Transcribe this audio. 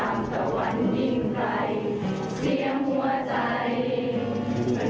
ดวงตะวันไปหมายจะตามไปให้ทัน